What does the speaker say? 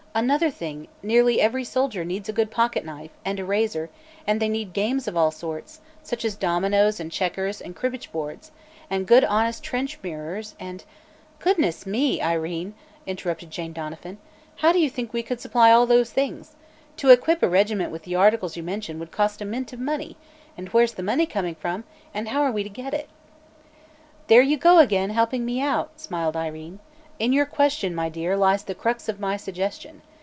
Another thing, nearly every soldier needs a good pocket knife, and a razor, and they need games of all sorts, such as dominoes and checkers and cribbage boards; and good honest trench mirrors, and " "Goodness me, Irene," interrupted Jane Donovan, "how do you think we could supply all those things? To equip a regiment with the articles you mention would cost a mint of money, and where's the money coming from, and how are we to get it?" "There you go again, helping me out!" smiled Irene. "In your question, my dear, lies the crux of my suggestion.